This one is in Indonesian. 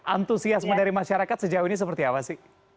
antusiasme dari masyarakat sejauh ini seperti apa sih